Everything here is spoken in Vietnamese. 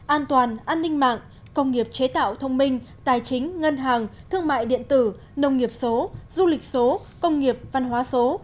an toàn an ninh mạng công nghiệp chế tạo thông minh tài chính ngân hàng thương mại điện tử nông nghiệp số du lịch số công nghiệp văn hóa số